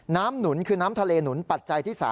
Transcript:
หนุนคือน้ำทะเลหนุนปัจจัยที่๓